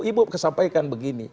ibu kesampaikan begini